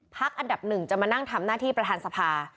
อันดับหนึ่งจะมานั่งทำหน้าที่ประธานสภา